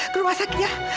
ke rumah sakit ya